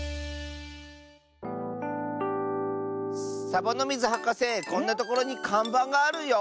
サボノミズはかせこんなところにかんばんがあるよ。